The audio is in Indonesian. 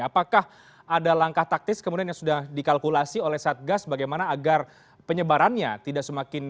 apakah ada langkah taktis kemudian yang sudah dikalkulasi oleh satgas bagaimana agar penyebarannya tidak semakin